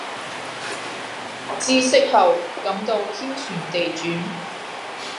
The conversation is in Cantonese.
知悉後感到天旋地轉